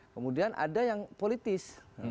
kemudian ada yang politis